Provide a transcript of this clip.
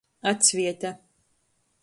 Atsviete.